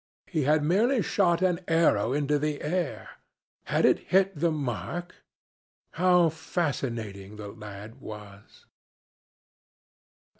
He had merely shot an arrow into the air. Had it hit the mark? How fascinating the lad was!